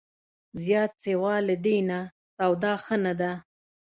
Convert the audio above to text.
زیات سیوا له دې نه، سودا ښه نه ده